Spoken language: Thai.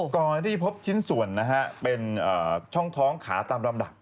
ก่อนที่พบชิ้นส่วนนะฮะเป็นช่องท้องขาตามลำดับ